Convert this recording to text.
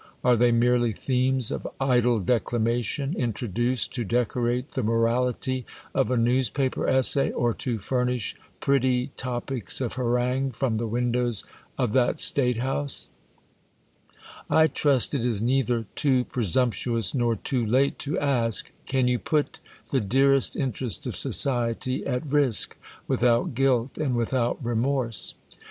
Are they merely themes of idle declamation, introduced to decorate the morality of a newspaper essay, or to furnish pretty top ips of harangue from the windows of that State house ? 1 trust 232 THE COLUMBIAN ORATOR. I trust it is neither too presumptuous nor tod late to^ ask, Can you put the dearest interest of society at risk, without guilt, and without remorse